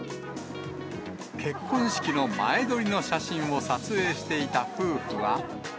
結婚式の前撮りの写真を撮影していた夫婦は。